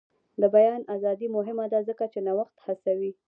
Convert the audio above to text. د بیان ازادي مهمه ده ځکه چې نوښت هڅوي.